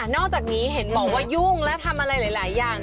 อกจากนี้เห็นบอกว่ายุ่งและทำอะไรหลายอย่าง